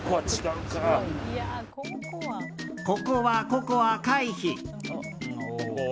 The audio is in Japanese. ここは、ココア回避。